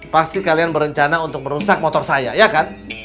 pasti kalian berencana untuk merusak motor saya ya kan